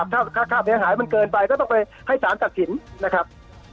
ถ้าค่าเสียหายมันเกินไปก็ต้องไปให้สารตัดสินนะครับ